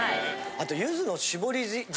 あとゆずの絞り汁？